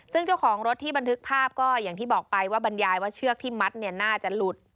ซึ่งเจ้าของรถที่บันทึกภาพก็อย่างที่บอกไปว่าบรรยายว่าเชือกที่มัดเนี่ยน่าจะหลุด